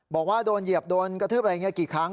บอกว่าโดนเหยียบโดนกระทืบอะไรอย่างนี้กี่ครั้ง